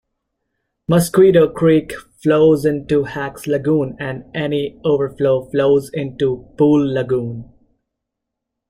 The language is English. Mosquito Creek flows into Hacks Lagoon, and any overflow flows into Bool Lagoon.